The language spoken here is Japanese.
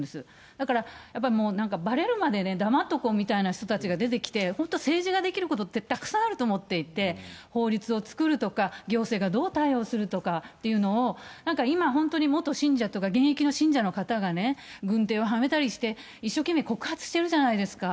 だから、やっぱりばれるまで黙っとこうみたいな人たちが出てきて、本当、政治ができることってたくさんあると思っていて、法律を作るとか、行政がどう対応するとかっていうのを、なんか今、本当に元信者とか現役の信者の方が軍手をはめたりして一生懸命告発してるじゃないですか。